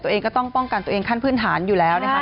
ตัวเองก็ต้องป้องกันตัวเองขั้นพื้นฐานอยู่แล้วนะคะ